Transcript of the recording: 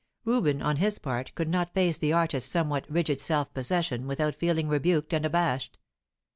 Reuben, on his part, could not face the artist's somewhat rigid self possession without feeling rebuked and abashed.